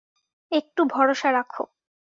একটু ভরসা রাখো।